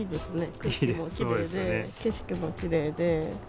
空気もきれいで、景色もきれいで。